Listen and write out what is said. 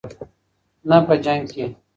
نه په جنګ کې.